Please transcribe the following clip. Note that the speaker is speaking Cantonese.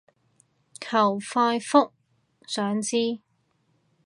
求快覆，想知